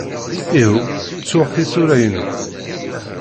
Ihuh, ttuɣ tisura-inu.